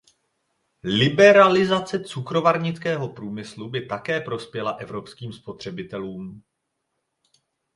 Liberalizace cukrovarnického průmyslu by také prospěla evropským spotřebitelům.